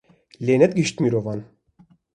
lê nedigihîşt mirovan.